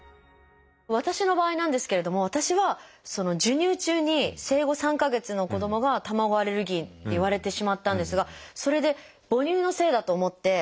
私の場合なんですけれども私は授乳中に生後３か月の子どもが卵アレルギーって言われてしまったんですがそれで母乳のせいだと思って。